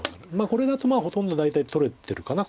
これだとほとんど大体取れてるかな